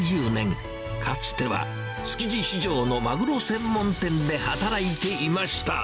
かつては築地市場のマグロ専門店で働いていました。